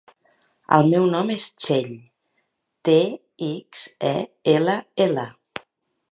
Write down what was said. El meu nom és Txell: te, ics, e, ela, ela.